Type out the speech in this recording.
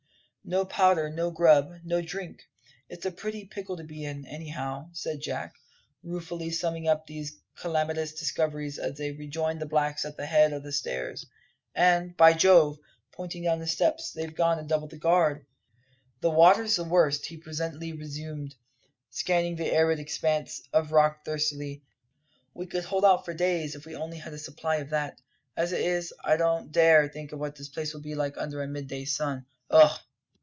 "No powder, no grub, no drink; it's a pretty, pickle to be in, anyhow," said Jack, ruefully summing up these calamitous discoveries as they rejoined the blacks at the head of the stairs. "And, by Jove!" pointing down the steps, "they've gone and doubled the guard." "The waters the worst," he presently resumed, scanning the arid expanse of rock thirstily. "We could hold out for days, if we only had a supply of that. As it is, I don't dare think what this place will be like under a midday sun ugh!"